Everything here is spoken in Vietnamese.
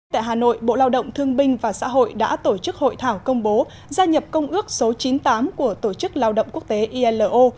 tại hà nội bộ lao động thương binh và xã hội đã tổ chức hội thảo công bố gia nhập công ước số chín mươi tám của tổ chức lao động quốc tế ilo